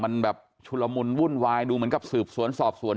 มันแบบชุลมุนวุ่นวายดูเหมือนกับสืบสวนสอบสวน